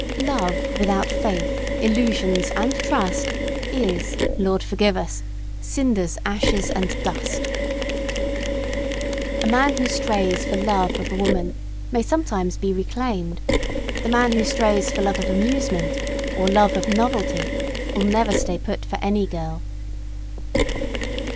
Love, without faith, illusions and trust, is Lord forgive us cinders, ashes and dust! A man who strays for love of a woman may sometimes be reclaimed; but the man who strays for love of amusement or love or novelty will never "stay put" for any girl.